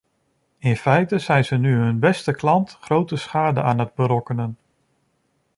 In feite zijn ze nu hun beste klant grote schade aan het berokkenen.